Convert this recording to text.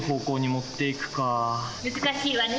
難しいわね。